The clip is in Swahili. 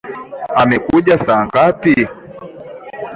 Amekuja saa ngapi?